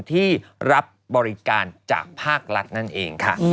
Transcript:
ที่รับบริการจากภาครัฐนั่นเองค่ะ